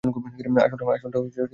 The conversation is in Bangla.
আসলটা আমার কাছে থাক!